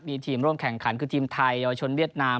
มีทีมร่วมแข่งขันคือทีมไทยเยาวชนเวียดนาม